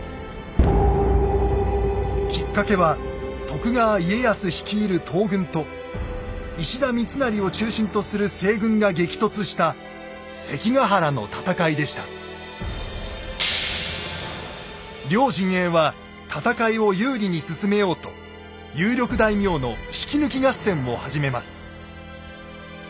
きっかけは徳川家康率いる東軍と石田三成を中心とする西軍が激突した両陣営は戦いを有利に進めようと有力大名の引き抜き合戦を始めます。